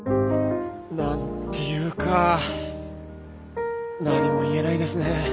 何て言うか何も言えないですねぇ。